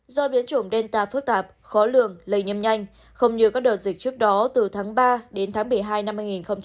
do biến chủng delta phức tạp khó lường lây nhâm nhanh không như các đợt dịch trước đó từ tháng ba đến tháng một mươi hai năm hai nghìn hai mươi